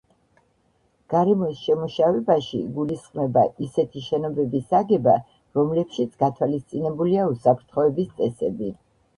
გარემოს შემუშავებაში იგულისხმება ისეთი შენობების აგება, რომლებშიც გათვალისწინებულია უსაფრთხოების წესები.